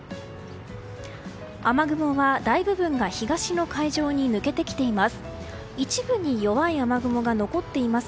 雨雲は大部分が東の海上に抜けてきています。